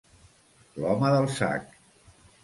L'home del sac.